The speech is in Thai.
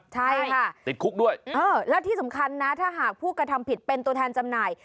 ใช่ค่ะติดคุกด้วยแล้วที่สำคัญนะถ้าหากผู้กระทำผิดเป็นตัวแทนจำหน่าย